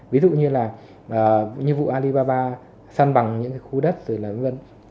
ví dụ như là nhiệm vụ alibaba săn bằng những cái khu đất rồi là v v